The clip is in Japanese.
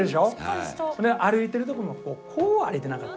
歩いてるとこもこう歩いてなかった？